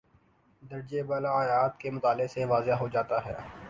درجِ بالا آیات کے مطالعے سے واضح ہو جاتا ہے